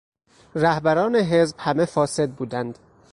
رهبران حزب همه فاسد بودند.